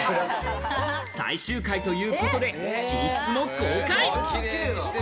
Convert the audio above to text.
最終回ということで、寝室も公開。